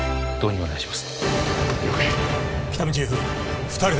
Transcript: お願いします